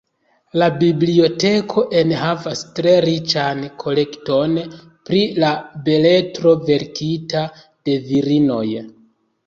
La biblioteko enhavas tre riĉan kolekton pri la beletro verkita de virinoj.